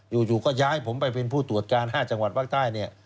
อยู่ก็ย้ายผมไปเป็นผู้ตรวจการ๕จังหวัดภาคใต้เนี่ย